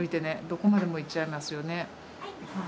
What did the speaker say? どこまでも行っちゃいますよね。